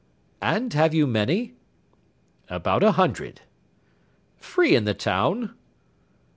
"And have you many?" "About a hundred." "Free in the town?"